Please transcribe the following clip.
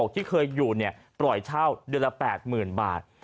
ที่คืออยู่เนี่ยปล่อยเช่าเดือนละแปดหมื่นบาทก็